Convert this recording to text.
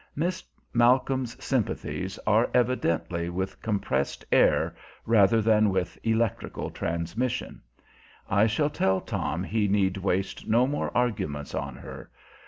Miss Malcolm's sympathies are evidently with compressed air rather than with electrical transmission. I shall tell Tom he need waste no more arguments on her.